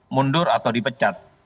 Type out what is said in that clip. mundur atau dipecat